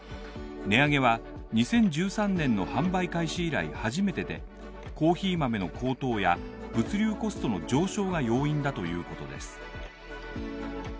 値上げは２０１３年の販売開始以来初めてで、コーヒー豆の高騰や物流コストの上昇が要因だということです。